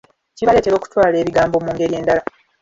Kibaleetera okwatula ebigambo mu ngeri endala.